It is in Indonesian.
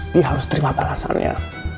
dia harus terima balasannya